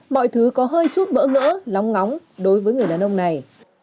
mọi thứ có hơi chút bỡ ngỡ lóng ngóng đối với người đàn ông này